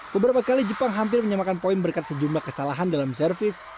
beberapa kali jepang hampir menyamakan poin berkat sejumlah kesalahan dalam servis